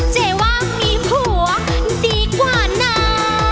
เจว่ามีผัวดีกว่านะ